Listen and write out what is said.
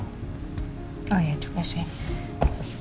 oh ya juga sih